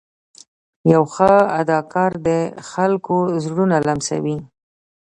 یو ښه اداکار د خلکو زړونه لمسوي.